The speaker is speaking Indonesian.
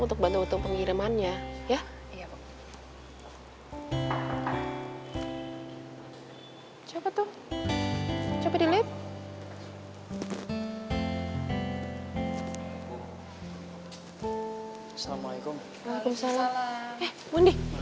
untuk bantu utuh pengirimannya ya iya coba tuh coba delete assalamualaikum waalaikumsalam